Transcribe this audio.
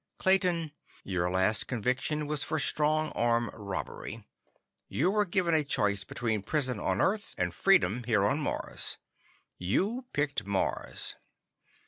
"Clayton, your last conviction was for strong arm robbery. You were given a choice between prison on Earth and freedom here on Mars. You picked Mars."